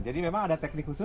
jadi memang ada teknik khusus